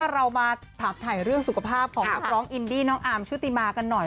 เรามาถามถ่ายเรื่องสุขภาพของนักร้องอินดี้น้องอาร์มชุติมากันหน่อย